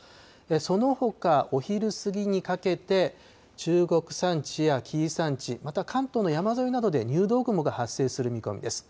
そのほか、お昼過ぎにかけて、中国山地や紀伊山地、また関東の山沿いなどで入道雲が発生する見込みです。